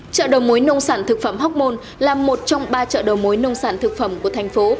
chợ đầu mối nông sản thực phẩm hóc môn là một trong ba chợ đầu mối nông sản thực phẩm của thành phố